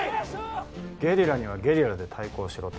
ゲリラにはゲリラで対抗しろと？